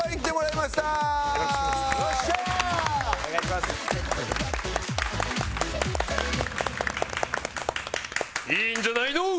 いいんじゃないの？